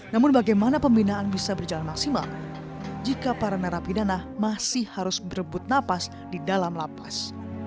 namun bagaimana pembinaan bisa berjalan maksimal jika para narapidana masih harus berebut napas di dalam lapas